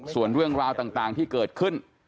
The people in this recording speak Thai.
ส่วนเรื่องราวต่างที่เกิดขึ้น